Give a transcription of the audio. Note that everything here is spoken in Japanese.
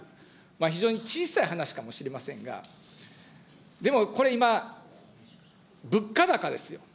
非常に小さい話かもしれませんが、でもこれ、今、物価高ですよ。